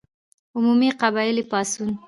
عمومي قبایلي پاڅون.